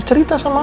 ya cerita sama aku